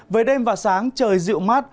về đêm và sáng trời dịu mát